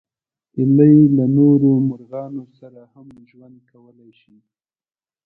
هیلۍ له نورو مرغانو سره هم ژوند کولی شي